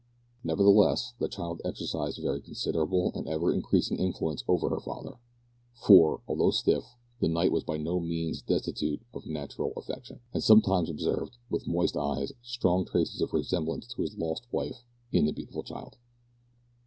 Nevertheless, the child exercised very considerable and ever increasing influence over her father; for, although stiff, the knight was by no means destitute of natural affection, and sometimes observed, with moist eyes, strong traces of resemblance to his lost wife in the beautiful child.